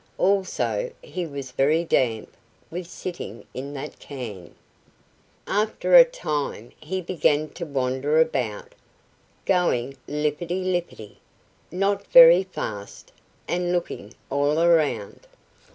Also he was very damp with sitting in that can. After a time he began to wander about, going lippity lippity not very fast, and looking all around.